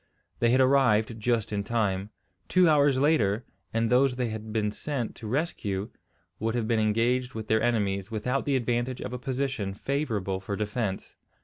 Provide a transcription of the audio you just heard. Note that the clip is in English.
They had arrived just in time. Two hours later, and those they had been sent to rescue would have been engaged with their enemies without the advantage of a position favourable for defence.